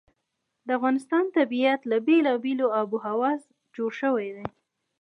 د افغانستان طبیعت له بېلابېلې آب وهوا جوړ شوی دی.